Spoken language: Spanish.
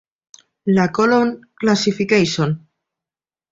La Colon Classification.